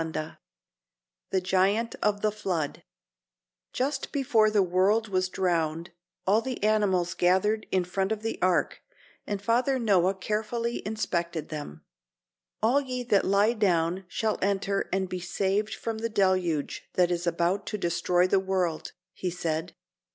] The Giant of the Flood Just before the world was drowned all the animals gathered in front of the Ark and Father Noah carefully inspected them. "All ye that lie down shall enter and be saved from the deluge that is about to destroy the world," he said.